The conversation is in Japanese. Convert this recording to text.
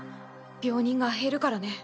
病人が減るからね。